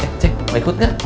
eh cek mau ikut gak